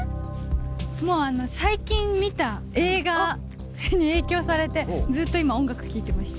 もうあの、最近見た映画に影響されて、ずっと今、音楽聴いてました。